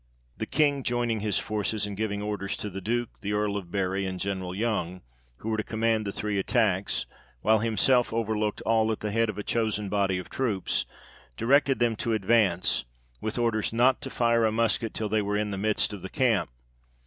The King joining his forces, and giving orders to the Duke, the Earl of Bury, and General Young, who were to command the three attacks, while himself overlooked all at the head of a chosen body of troops, directed them to advance, with orders not to fire a musket, till they were in the midst of the camp.